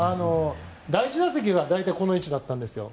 第１打席は大体この位置だったんです。